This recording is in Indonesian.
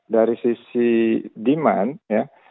dari sisi demand ya